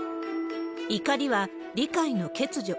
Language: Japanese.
怒りは理解の欠如。